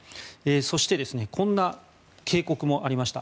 そしてこんな警告もありました。